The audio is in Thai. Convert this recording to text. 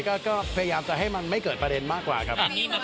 ก็พยายามจะให้มันไม่เกิดประเด็นมากกว่าครับ